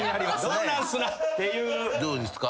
どうですか？